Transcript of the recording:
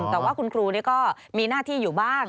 แต่ว่าคุณครูก็มีหน้าที่อยู่บ้าง